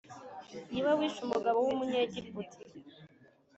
Ni we wishe umugabo w umunyegiputa